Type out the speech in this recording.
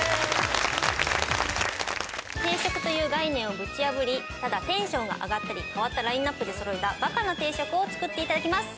定食という概念をぶち破りただテンションが上がったり変わったラインアップでそろえたバカな定食を作って頂きます。